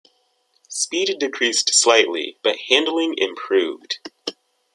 Speed decreased slightly, but handling improved.